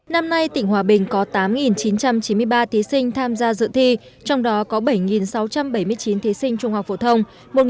năm nay tỉnh hòa bình có tám chín trăm chín mươi ba thí sinh tham gia dự thi trong đó có bảy sáu trăm bảy mươi chín thí sinh trung học phổ thông